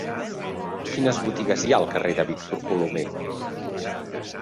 Quines botigues hi ha al carrer de Víctor Colomer?